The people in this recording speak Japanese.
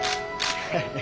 ハハハ。